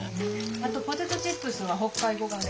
あとポテトチップスは北海こがね。